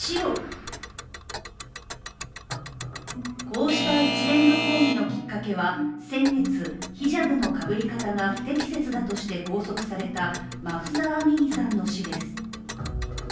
こうした一連の抗議のきっかけは先月、ヒジャブのかぶり方が不適切だとして拘束されたマフサ・アミニさんの死です。